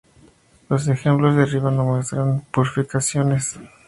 Los ejemplos de arriba no muestran bifurcaciones.